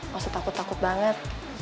gak usah takut takut banget